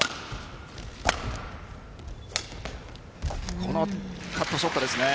このカットショットですね。